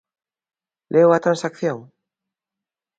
¿Leo a transacción?